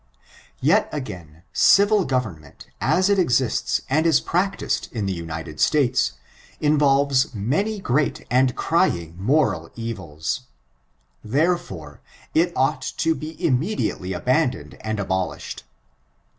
Yet again, civil government, as it exists and is practiced in the United States, involves many great and crying moral evils; therefore, it ought to be immediately abandoned and abolished.